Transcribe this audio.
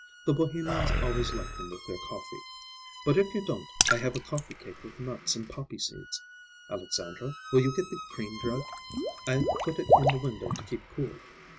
The Bohemians always like them with their coffee. But if you don't, I have a coffee cake with nuts and poppy seeds. Alexandra, will you get the cream jug? I put it in the window to keep cool."